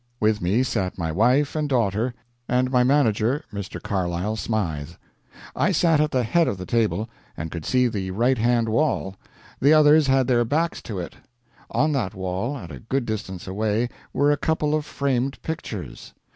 With me sat my wife and daughter, and my manager, Mr. Carlyle Smythe. I sat at the head of the table, and could see the right hand wall; the others had their backs to it. On that wall, at a good distance away, were a couple of framed pictures.